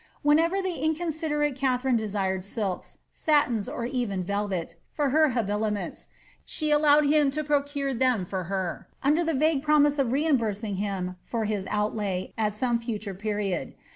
When ever the inconsiderate Katharine desired silks, satins, or even velvet, for her habiliments, she allowed him to procure them for her, under the vague promise of reimbursing him for his outlay at some future period.